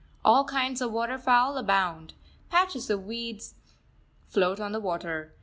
All kinds of waterfowl abound. Patches of weeds float on the water.